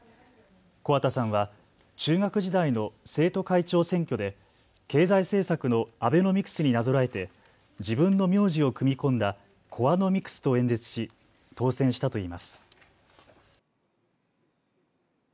木幡さんは中学時代の生徒会長選挙で経済政策のアベノミクスになぞらえて、自分の名字を組み込んだコワノミクスと演説し当選したといいます。